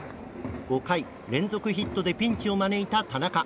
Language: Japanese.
５回、連続ヒットでピンチを招いた田中。